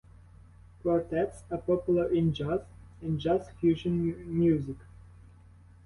Quartets are popular in jazz and jazz fusion music.